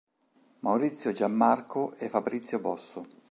Maurizio Giammarco e Fabrizio Bosso.